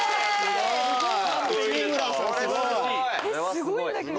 すごいんだけど。